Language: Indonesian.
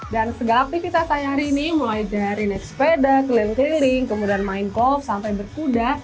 dan segala aktivitas saya hari ini mulai dari naik sepeda keliling keliling kemudian main golf sampai berkuda